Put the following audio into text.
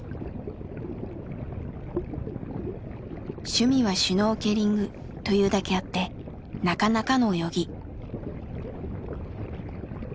趣味はシュノーケリングというだけあってなかなかの泳ぎ。